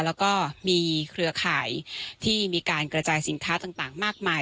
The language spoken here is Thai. แล้วก็มีเครือข่ายที่มีการกระจายสินค้าต่างมากมาย